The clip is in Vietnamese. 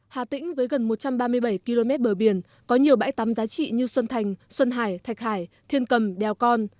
hà tĩnh với gần một trăm ba mươi bảy km bờ biển có nhiều bãi tắm giá trị như xuân thành xuân hải thạch hải thiên cầm đèo con